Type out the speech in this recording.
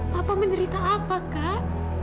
papa menderita apa kak